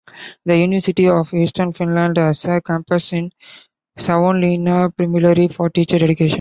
The University of Eastern Finland has a campus in Savonlinna, primarily for teacher education.